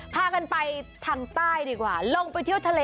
พากันไปทางใต้ดีกว่าลงไปเที่ยวทะเล